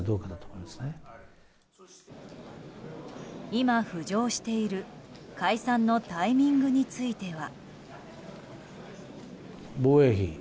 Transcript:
今、浮上している解散のタイミングについては。